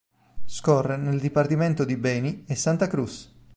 Scorre nel Dipartimento di Beni e Santa Cruz.